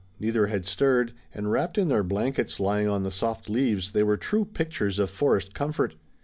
Neither had stirred, and wrapped in their blankets lying on the soft leaves, they were true pictures of forest comfort.